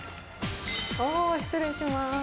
お失礼します。